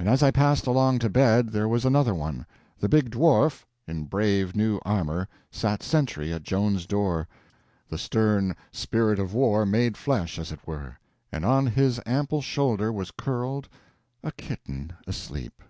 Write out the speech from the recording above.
And as I passed along to bed there was another one: the big Dwarf, in brave new armor, sat sentry at Joan's door—the stern Spirit of War made flesh, as it were—and on his ample shoulder was curled a kitten asleep.